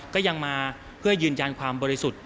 ก็ยังมาเพื่อยืนยันความบริสุทธิ์